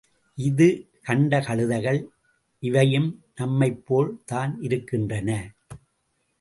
இதுகண்ட கழுதைகள், இவையும் நம்மைப் போல் தான் இருக்கின்றன.